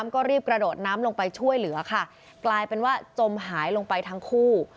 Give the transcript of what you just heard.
ก็รีบกระโดดน้ำลงไปช่วยเหลือค่ะกลายเป็นว่าจมหายลงไปทั้งคู่